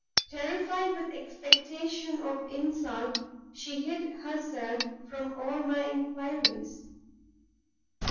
terrified with expectation of insult, she hid herself from all my enquiries.